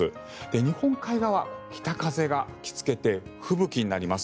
日本海側、北風が吹きつけて吹雪になります。